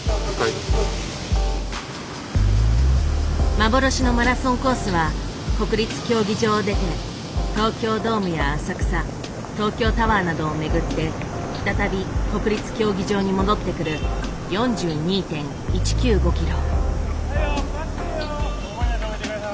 幻のマラソンコースは国立競技場を出て東京ドームや浅草東京タワーなどを巡って再び国立競技場に戻ってくる４２．１９５キロ。